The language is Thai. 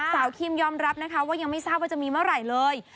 คิมยอมรับนะคะว่ายังไม่ทราบว่าจะมีเมื่อไหร่เลย